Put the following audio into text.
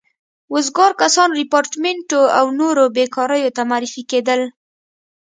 وزګار کسان ریپارټیمنټو او نورو بېګاریو ته معرفي کېدل.